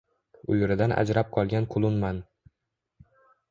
Uyuridan ajrab qolgan qulunman…